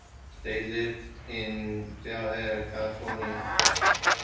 They lived in Bel Air, California.